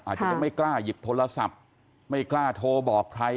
จะยังไม่กล้าหยิบโทรศัพท์ไม่กล้าโทรบอกใคร